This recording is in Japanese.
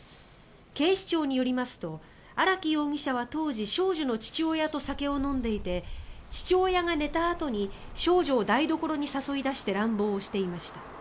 警視庁によりますと荒木容疑者は当時少女の父親と酒を飲んでいて父親が寝たあとに少女を台所に誘い出して乱暴をしていました。